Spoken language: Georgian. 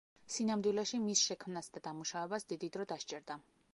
სინამდვილეში, მის შექმნას და დამუშავებას დიდი დრო დასჭირდა.